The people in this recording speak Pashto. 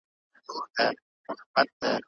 پيغمبر د هر چا حق ادا کړ.